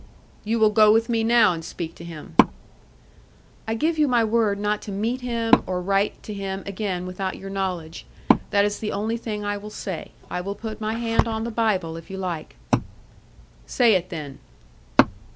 "You will go with me now and speak to him." "I give you my word not to meet him or write to him again without your knowledge. That is the only thing I will say. I will put my hand on the Bible if you like." "Say it, then."